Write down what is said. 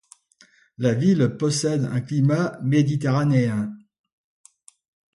La ville possède un climat méditerranéen.